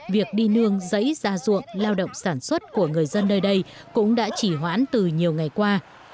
việc đi nương rẫy ra ruộng lao động sản xuất của người dân nơi đây cũng đã chỉ hoãn từ nhiều ngày qua